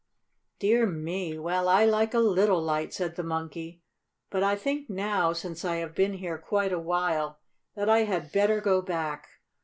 "Dear me! Well, I like a little light," said the Monkey. "But I think now, since I have been here quite a while, that I had better go back.